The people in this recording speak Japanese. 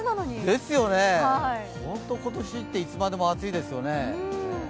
本当に今年っていつまでも暑いですよね。